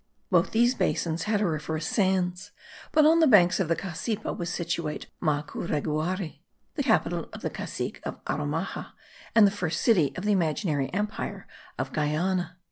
"Both these basins had auriferous sands; but on the banks of the Cassipa was situate Macureguarai (Margureguaira), the capital of the cacique of Aromaja, and the first city of the imaginary empire of Guyana."